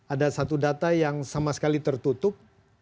ada satu data yang sama sekali tertutup